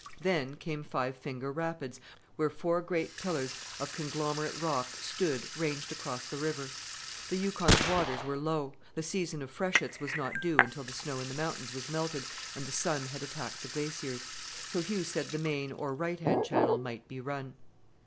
Then came Five Finger Rapids, where four great pillars of conglomerate rock stood ranged across the river. The Yukon's waters were low; the season of freshets was not due until the snow in the mountains was melted and the sun had attacked the glaciers; so Hugh said the main or right hand channel might be run.